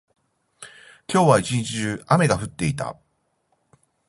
今日は一日中、雨が降っていた。